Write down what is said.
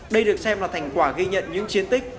đây được xem là thành quả ghi nhận những chiến tích